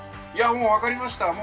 いやもう、分かりました。